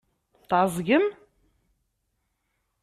Tɛeẓgem?